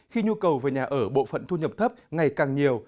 khi nhu cầu về nhà ở bộ phận thu nhập thấp ngày càng nhiều